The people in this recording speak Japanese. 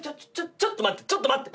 ちょっと待ってちょっと待って。